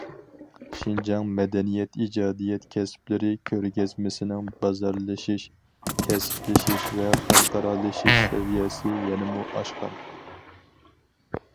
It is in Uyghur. شىنجاڭ مەدەنىيەت ئىجادىيەت كەسىپلىرى كۆرگەزمىسىنىڭ بازارلىشىش، كەسىپلىشىش ۋە خەلقئارالىشىش سەۋىيەسى يەنىمۇ ئاشقان.